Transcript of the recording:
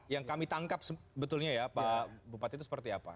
yang kami tangkap sebetulnya ya pak bupati itu seperti apa